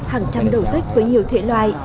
hàng trăm đầu sách với nhiều thể loại